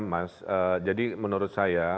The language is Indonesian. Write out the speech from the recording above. mas jadi menurut saya